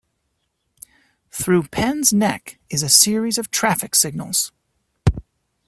Through Penns Neck is a series of traffic signals.